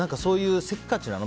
せっかちなの？